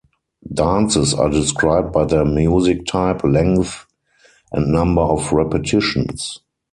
Dances are described by their music type, length and number of repetitions.